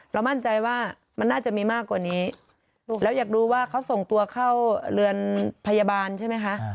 มั่นใจว่ามันน่าจะมีมากกว่านี้แล้วอยากรู้ว่าเขาส่งตัวเข้าเรือนพยาบาลใช่ไหมคะ